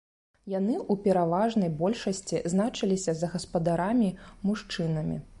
Яны ў пераважнай большасці значыліся за гаспадарамі-мужчынамі.